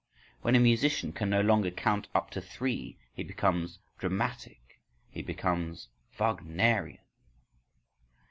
When a musician can no longer count up to three, he becomes "dramatic," he becomes "Wagnerian".